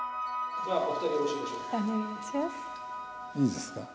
いいですか？